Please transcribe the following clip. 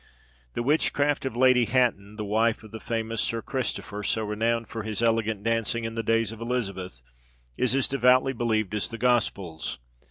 The witchcraft of Lady Hatton, the wife of the famous Sir Christopher, so renowned for his elegant dancing in the days of Elizabeth, is as devoutly believed as the Gospels.